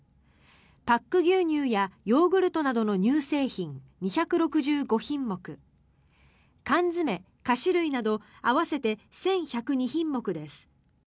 パック牛乳やヨーグルトなどの乳製品、２６５品目缶詰、菓子類など合わせて１１０２品目です。